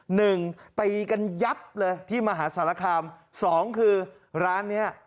หนึ่งตีกันยับเลยที่มหาสารคามสองคือร้านเนี้ย